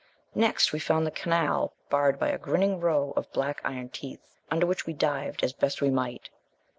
Next we found the canal barred by a grinning row of black iron teeth, under which we dived as best we might.